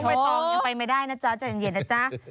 เถอะยังไปไม่ได้นะจ๊ะจ่ะเย็นนะจ๊ะ